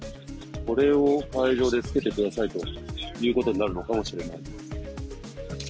これを会場で着けてくださいということになるのかもしれないです。